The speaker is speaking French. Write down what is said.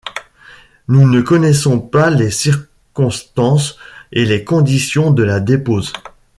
Nous ne connaissons pas les circonstances et les conditions de la dépose.